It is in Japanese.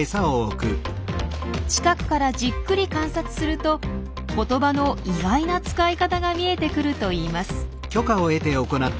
近くからじっくり観察すると言葉の意外な使い方が見えてくるといいます。